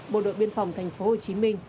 bộ đội biên phòng thành phố hồ chí minh